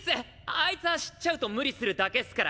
アイツは知っちゃうと無理するだけっスから。